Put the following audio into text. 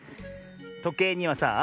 とけいにはさあ